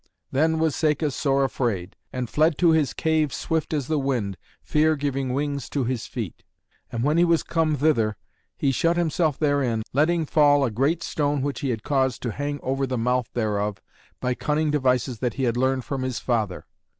Then was Cacus sore afraid, and fled to his cave swift as the wind, fear giving wings to his feet. And when he was come thither, he shut himself therein, letting fall a great stone which he had caused to hang over the mouth thereof by cunning devices that he had learned from his father.